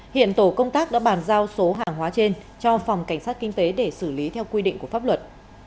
hiện tổ công tác đã bàn giao số hàng hóa trên cho phòng cảnh sát kinh tế để xử lý theo quy định của pháp luật